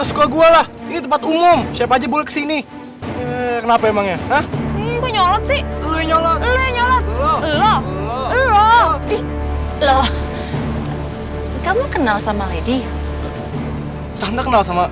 aku belum pernah melihat dia